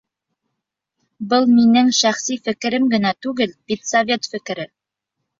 Был минең шәхси фекерем генә түгел, педсовет фекере!